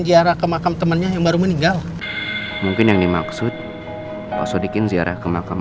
ziarah kemakam temannya yang baru meninggal mungkin yang dimaksud pak sodikin ziarah kemakam